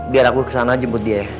biar aku kesana jemput dia